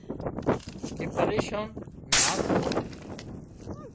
ڪي پريشان نا ٿو